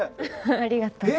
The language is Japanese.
ありがとう。